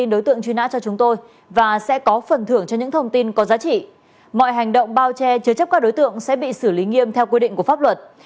mọi hành động bao che chứa chấp các đối tượng sẽ bị xử lý nghiêm theo quy định của pháp luật